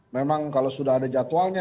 memang kalau sudah ada jadwalnya